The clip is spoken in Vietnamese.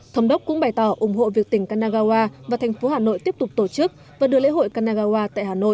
thống đốc cũng bày tỏ ủng hộ việc tỉnh kanagawa và thành phố hà nội tiếp tục tổ chức và đưa lễ hội kanagawa tại hà nội